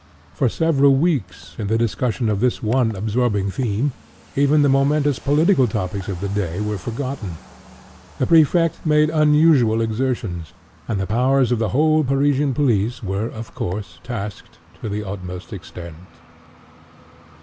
For several weeks, in the discussion of this one absorbing theme, even the momentous political topics of the day were forgotten. The Prefect made unusual exertions; and the powers of the whole Parisian police were, of course, tasked to the utmost extent.